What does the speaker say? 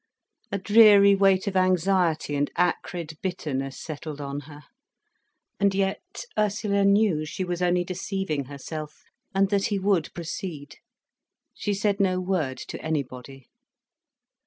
A dreary weight of anxiety and acrid bitterness settled on her. And yet Ursula knew she was only deceiving herself, and that he would proceed. She said no word to anybody.